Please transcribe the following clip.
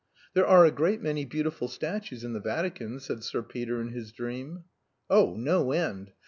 "There are a great many beautiful statues in the Vatican," said Sir Peter in his dream. "Oh, no end.